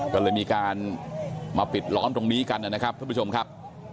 ก็เลยมีการมาปิดล้อมตรงนี้กันนะครับทุกผู้ชมครับ